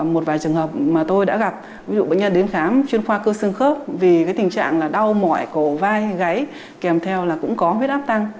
một vài trường hợp mà tôi đã gặp ví dụ bệnh nhân đến khám chuyên khoa cơ xương khớp vì cái tình trạng là đau mỏi cổ vai gáy kèm theo là cũng có huyết áp tăng